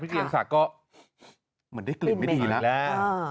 เกียงศักดิ์ก็เหมือนได้กลิ่นไม่ดีแล้ว